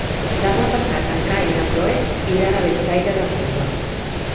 Demà passat en Cai i na Cloè iran a Bellcaire d'Empordà.